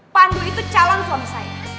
pandu itu calon suami saya